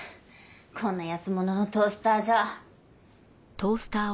こんな安物のトースターじゃ。